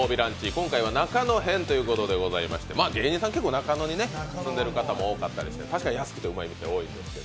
今回は中野編ということでございまして、芸人さん中野に住んでる方多いですが、確かに安くてうまい店、多いです。